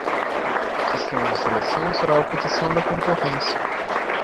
O sistema de seleção será a oposição da concorrência.